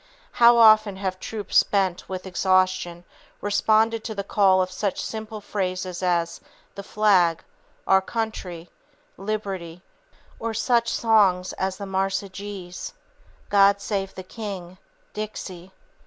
How often have troops spent with exhaustion responded to the call of such simple phrases as "The Flag," "Our Country," "Liberty," or such songs as "The Marseillaise," "God Save the King," "Dixie"!